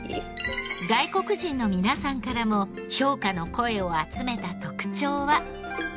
外国人の皆さんからも評価の声を集めた特徴は。